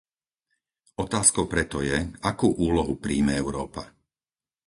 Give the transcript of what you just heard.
Otázkou preto je, akú úlohu prijme Európa?